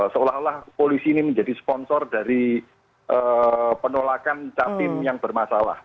seolah olah polisi ini menjadi sponsor dari penolakan capim yang bermasalah